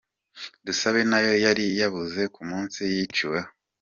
Dusabe nayo yari yabuze ku munsi yiciweho.